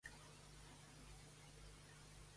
Què opina Diodor de Sicília d'aquest fet?